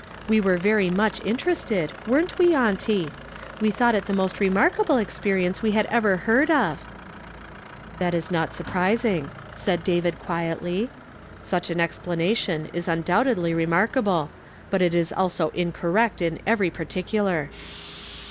We were very much interested, ' ifil Mi *: i 120 YESTERDAY FRAMED IN TO DAY. weren't we, auntie ? We thought it the most re markable experience we had ever heard of." "That is not surprising," said David quietly. "Such an explanation is undoubtedly remarka ble, but it is also incorrect in every particular."